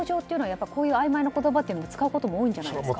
やっぱりこういうあいまいな言葉を使うことがあるんじゃないですか？